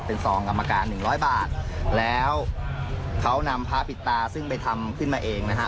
เป็นซองกรรมการหนึ่งร้อยบาทแล้วเขานำพระปิดตาซึ่งไปทำขึ้นมาเองนะฮะ